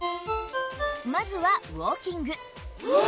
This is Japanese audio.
まずはウォーキング